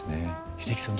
英樹さん